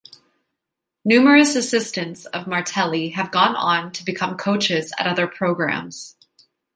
Numerous assistants of Martelli have gone on to become coaches at other programs.